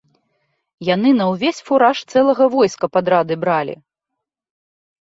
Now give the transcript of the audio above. Яны на ўвесь фураж цэлага войска падрады бралі.